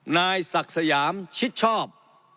นายศักดิ์สยามชิดชอบ